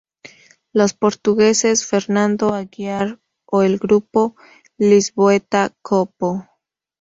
Los portugueses Fernando Aguiar o el grupo lisboeta "Copo".